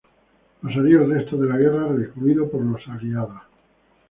Pasaría el resto de la guerra recluido por los aliados.